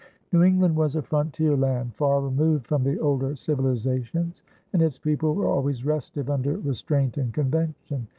New England was a frontier land far removed from the older civilizations, and its people were always restive under restraint and convention.